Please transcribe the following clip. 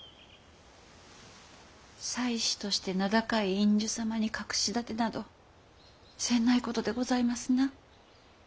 才子として名高い院主様に隠し立てなど詮ないことでございますな。